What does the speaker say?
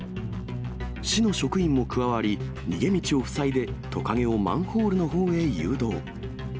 市の職員も加わり、逃げ道を塞いで、トカゲをマンホールのほうへ誘導。